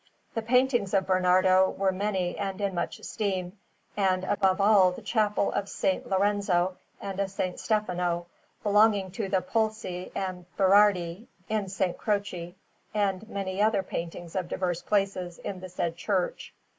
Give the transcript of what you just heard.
The paintings of Bernardo were many and in much esteem, and above all the Chapel of S. Lorenzo and of S. Stefano, belonging to the Pulci and Berardi, in S. Croce, and many other paintings in diverse places in the said church.